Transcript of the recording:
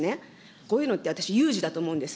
こういうのって私、有事だと思うんです。